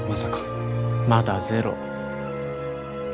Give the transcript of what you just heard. まだゼロ。